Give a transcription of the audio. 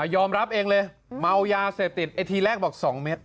ยอมรับเองเลยมัวยาเสพติดทีแรกบอก๒เมตร